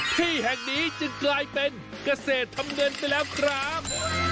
ที่แห่งนี้จึงกลายเป็นเกษตรทำเงินไปแล้วครับ